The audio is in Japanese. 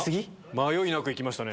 迷いなく行きましたね。